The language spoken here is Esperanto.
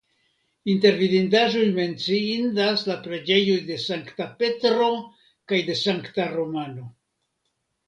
Inter vidindaĵoj menciindas la preĝejoj de Sankta Petro kaj de Sankta Romano.